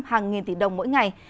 hàng nghìn tỷ đồng mỗi ngày